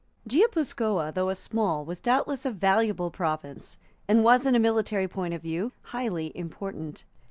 Guipuscoa, though a small, was doubtless a valuable province, and was in a military point of view highly important.